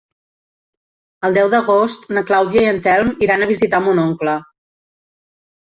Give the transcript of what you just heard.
El deu d'agost na Clàudia i en Telm iran a visitar mon oncle.